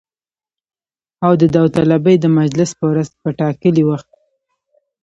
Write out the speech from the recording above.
او د داوطلبۍ د مجلس په ورځ په ټاکلي وخت